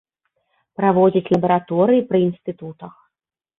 Праводзяць лабараторыі пры інстытутах.